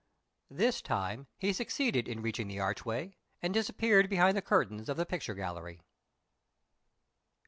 This time he succeeded in reaching the archway, and disappeared behind the curtains of the picture gallery.